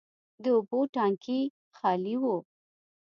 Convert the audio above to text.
د اوبو ټانکي خالي و.